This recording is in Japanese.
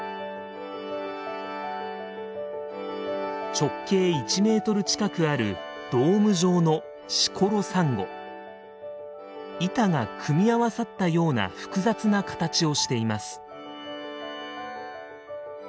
直径１メートル近くあるドーム状の板が組み合わさったような複雑な形をしています。